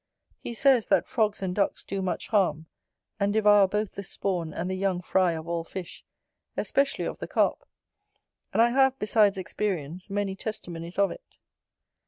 He says, that frogs and ducks do much harm, and devour both the spawn and the young fry of all fish, especially of the Carp; and I have, besides experience, many testimonies of it.